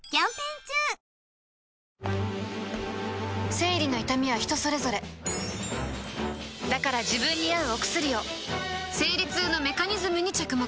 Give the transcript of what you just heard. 生理の痛みは人それぞれだから自分に合うお薬を生理痛のメカニズムに着目